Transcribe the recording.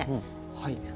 はい。